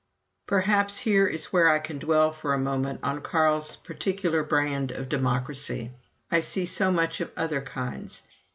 Perhaps here is where I can dwell for a moment on Carl's particular brand of democracy. I see so much of other kinds.